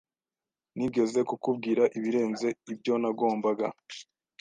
Nigeze kukubwira ibirenze ibyo nagombaga.